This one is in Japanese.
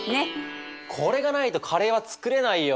これがないとカレーは作れないよ。